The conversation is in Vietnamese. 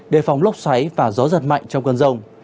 đề phòng lốc xoáy và gió giật mạnh trong cơn rông